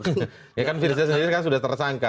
ya kan firja sendiri kan sudah tersangka